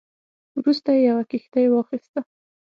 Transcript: وروسته یې یوه کښتۍ واخیسته.